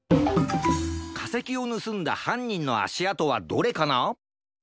かせきをぬすんだはんにんのあしあとはどれかな？